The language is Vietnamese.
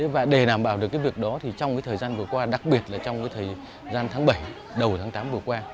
và để đảm bảo được cái việc đó thì trong cái thời gian vừa qua đặc biệt là trong cái thời gian tháng bảy đầu tháng tám vừa qua